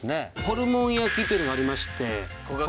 ホルモン焼きというのがありまして。